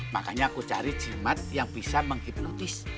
makanya aku cari jimat yang bisa menghipnotis